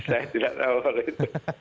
saya tidak tahu soal itu